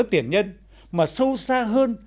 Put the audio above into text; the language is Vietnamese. tiền nhân mà sâu xa hơn